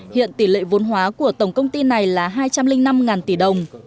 hiện tỷ lệ vốn hóa của tổng công ty này là hai trăm linh năm tỷ đồng